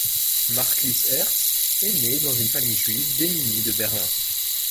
Marcus Herz est né dans une famille juive démunie de Berlin.